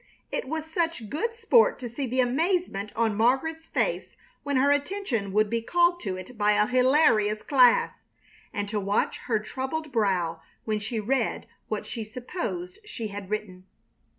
It was such good sport to see the amazement on Margaret's face when her attention would be called to it by a hilarious class, and to watch her troubled brow when she read what she supposed she had written.